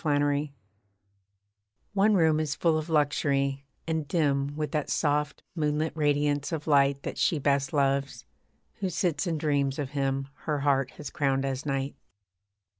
TWO ROOMS One room is full of luxury, and dim With that soft moonlit radiance of light That she best loves, who sits and dreams of him Her heart has crowned as knight.